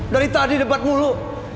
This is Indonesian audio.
dari tadi debat mulu